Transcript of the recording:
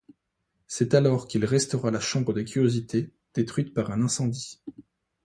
C'est alors qu'il restaura la Chambre des curiosités détruite par un incendie.